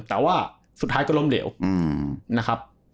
แต่ว่าสุดท้ายก็ล้มเหลวนะครับ